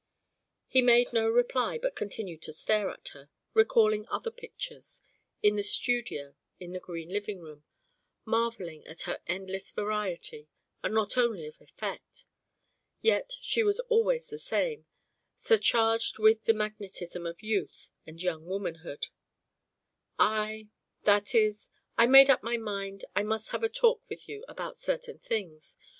He made no reply but continued to stare at her, recalling other pictures, in the studio, in the green living room, marvelling at her endless variety, and not only of effect. Yet she was always the same, surcharged with the magnetism of youth and young womanhood. "I that is I had made up my mind I must have a talk with you about certain things.